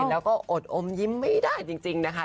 แล้วก็อดอมยิ้มไม่ได้จริงนะคะ